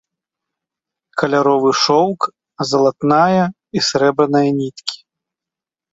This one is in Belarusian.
Каляровы шоўк, залатная і срэбраная ніткі.